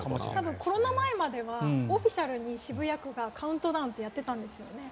コロナ前まではオフィシャルに渋谷区がカウントダウンってやってたんですよね。